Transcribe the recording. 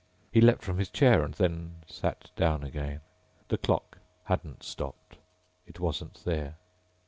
He leaped from his chair and then sat down again. The clock hadn't stopped. It wasn't there.